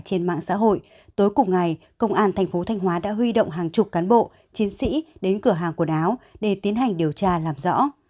trên mạng xã hội tối cùng ngày công an thành phố thanh hóa đã huy động hàng chục cán bộ chiến sĩ đến cửa hàng quần áo để tiến hành điều tra làm rõ